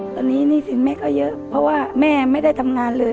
ตอนนี้หนี้สินแม่ก็เยอะเพราะว่าแม่ไม่ได้ทำงานเลย